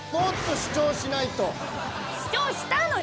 主張したのに。